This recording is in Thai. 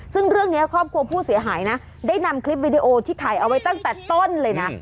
ซึ่งเรื่องนี้ครอบครัวผู้เสียหายนะได้นำคลิปวิดีโอที่ถ่ายเอาไว้ตั้งแต่ต้นเลยนะ